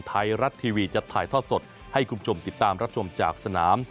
ไทยรัฐทีวีจะถ่ายทอดสดให้คุณผู้ชมติดตามรับชมจากสนาม